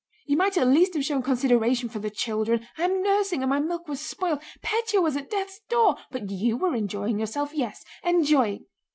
You might at least have shown consideration for the children. I am nursing and my milk was spoiled.... Pétya was at death's door. But you were enjoying yourself. Yes, enjoying..."